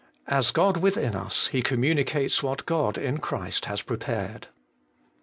As God within us, He communicates what God in Christ has prepared.